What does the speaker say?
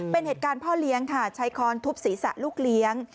เป็นเหตุการณ์พ่อเลี้ยงค่ะใช้ค้อนทุบศีรษะลูกเลี้ยง